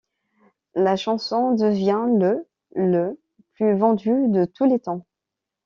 La chanson devient le le plus vendus de tous les temps.